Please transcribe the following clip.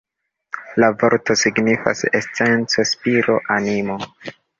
La vorto signifas "esenco, spiro, animo".